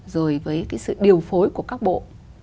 rồi với cái sự điều phối của các ngành kinh tế khác nhau